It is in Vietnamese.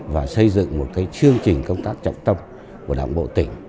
và xây dựng một chương trình công tác trọng tâm của đảng bộ tỉnh